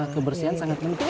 kebersihan sangat penting